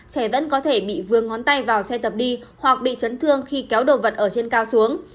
trẻ vẫn có thể bị vương ngón tay vào xe tập đi hoặc bị chấn thương khi kéo đồ vật ở trên cao xuống